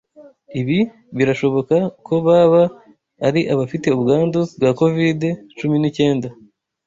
Ibi birashoboka ko baba ari abafite ubwandu bwa covid cumi n'icyenda.